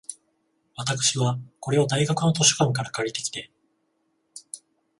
私は、これを大学の図書館から借りてきて、